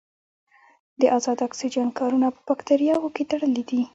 د ازاد اکسیجن کارونه په باکتریاوو کې تړلې ده.